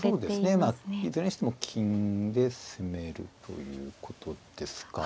まあいずれにしても金で攻めるということですか。